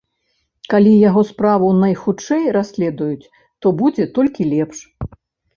Калі яго справу найхутчэй расследуюць, то будзе толькі лепш.